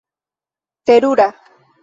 terura